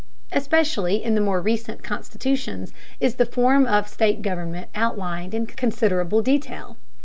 Especially in the more recent constitutions is the form of state government outlined in considerable detail.